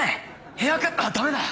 ヘアカットあっダメだ！